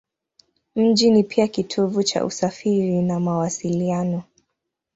Mji ni pia kitovu cha usafiri na mawasiliano.